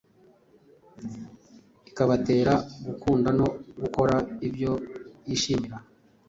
ikabatera gukunda no gukora ibyo yishimira.”